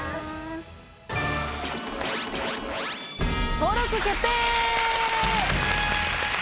登録決定！